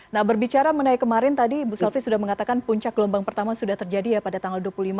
nah berbicara mengenai kemarin tadi ibu selvi sudah mengatakan puncak gelombang pertama sudah terjadi ya pada tanggal dua puluh lima